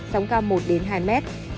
sóng cao một hai m